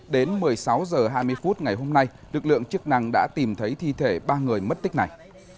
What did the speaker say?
đến một mươi sáu h hai mươi phút ngày hôm nay lực lượng chức năng đã tìm thấy thi thể ba người mất tích này